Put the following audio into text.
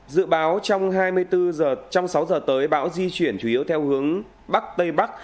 dự báo trong hai mươi bốn giờ trong sáu giờ tới bão di chuyển chủ yếu theo hướng bắc tây bắc